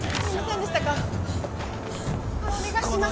お願いします！